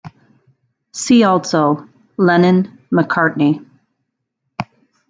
See also: Lennon-McCartney.